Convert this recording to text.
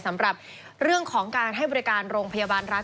สำหรับเรื่องของการให้บริการโรงพยาบาลรัฐ